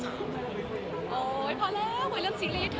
โอ้ยเพราะแล้วเหมือนเรื่องสีรีสเถอะ